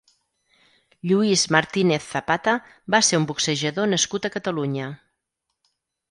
Lluís Martínez Zapata va ser un boxejador nascut a Catalunya.